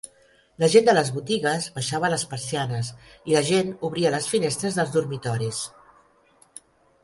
La gent de les botigues baixava les persianes i la gent obria les finestres dels dormitoris.